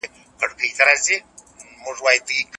د کندهار په ټولنه کي د یتیمانو پالنه څنګه کيږي؟